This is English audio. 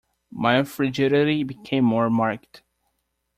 My frigidity became more marked.